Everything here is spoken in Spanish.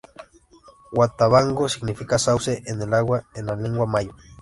Huatabampo significa ´´Sauce en el Agua´´ en la Lengua Mayo.